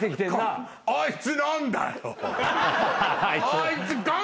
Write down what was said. あいつ。